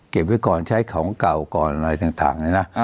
ไว้ก่อนใช้ของเก่าก่อนอะไรต่างเลยนะ